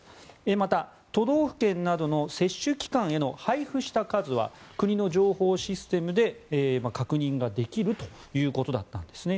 また、都道府県などの接種機関への配布した数は国の情報システムで確認ができるということだったんですね。